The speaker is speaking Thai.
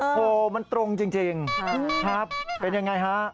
โอ้โหมันตรงจริงครับเป็นอย่างไรฮะ